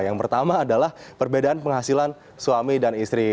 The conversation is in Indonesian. yang pertama adalah perbedaan penghasilan suami dan istri